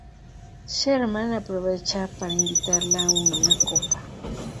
Sherman aprovecha para invitarla a una copa.